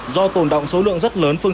do tồn động số lượng rất lớn